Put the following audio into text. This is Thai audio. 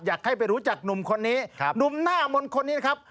อยากให้ไปรู้จักหนุ่มคนนี้หนุ่มหน้ามนต์คนนี้นะครับ